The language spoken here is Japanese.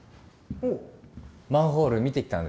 マンホール見てきたんですか？